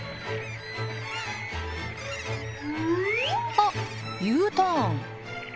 あっＵターン。